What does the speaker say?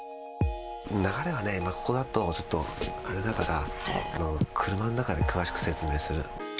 流れはね、このあと、今ここだとちょっとあれだから、車の中で詳しく説明する。